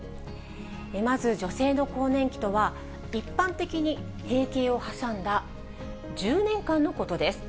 まず女性の更年期とは、一般的に、閉経を挟んだ１０年間のことです。